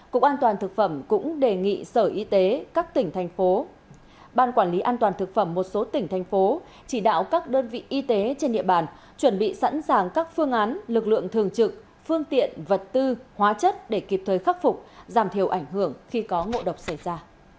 cục an toàn thực phẩm cũng đề nghị sở y tế các tỉnh thành phố ban quản lý an toàn thực phẩm một số tỉnh thành phố chỉ đạo các đơn vị y tế trên địa bàn chuẩn bị sẵn sàng các phương án lực lượng thường trực phương tiện vật tư hóa chất để kịp thời khắc phục giảm thiểu ảnh hưởng khi có ngộ độc xảy ra